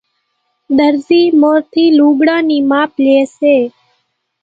ۮرزي مورِ ٿي لوڳڙان نِي ماپ لئي سي